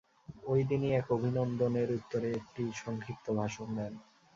ঐ দিনই এক অভিনন্দনের উত্তরে একটি সংক্ষিপ্ত ভাষণ দেন।